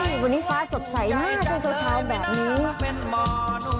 น้องเฮ้ยวันนี้ฟ้าสดใสหน้าช่วยโชว์ชาวแบบนี้